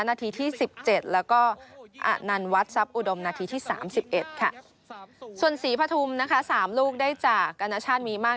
นาทีที่สิบเจ็ดแล้วก็อันนันวัดซับอุดมนาทีที่สามสิบเอ็ดค่ะส่วนสีพะทุมนะคะสามลูกได้จากกรรณชาติมีมาก